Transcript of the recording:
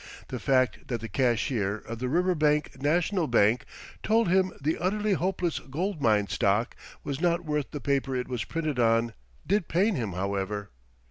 The fact that the cashier of the Riverbank National Bank told him the Utterly Hopeless Gold Mine stock was not worth the paper it was printed on did pain him, however.